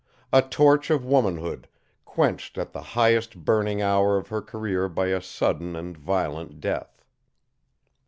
A torch of womanhood, quenched at the highest burning hour of her career by a sudden and violent death.